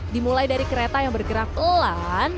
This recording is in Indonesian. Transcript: dimulai dari kereta yang bergerak pelan